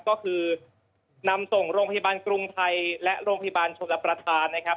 ก็คือนำส่งโรงพยาบาลกรุงไทยและโรงพยาบาลชนรับประทานนะครับ